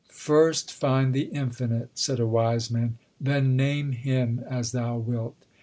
First find the Infinite, said a wise man, then name Him as thou wilt.